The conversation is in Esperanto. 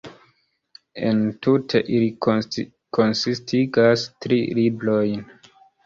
Entute ili konsistigas tri "librojn".